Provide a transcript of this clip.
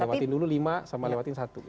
lewatin dulu lima sama lewatin satu